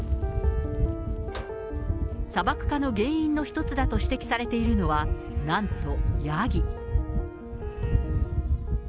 砂漠化の原因の一つだと指摘されているのは、なんとヤギ。